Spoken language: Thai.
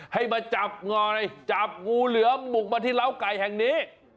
ให้มาจับงอยจับงูเหลือมบุกมาที่เล้าไก่แห่งนี้